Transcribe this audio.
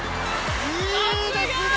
いいですね！